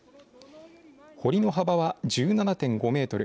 堀の幅は１７．５メートル